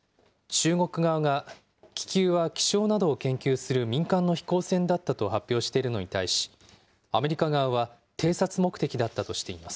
中国側が、気球は気象などを研究する民間の飛行船だったと発表しているのに対し、アメリカ側は、偵察目的だったとしています。